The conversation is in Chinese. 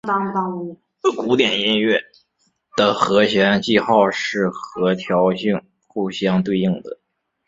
古典音乐的和弦记号是和调性互相对应的。